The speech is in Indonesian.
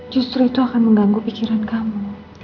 justru itu akan mengganggu pikiran kamu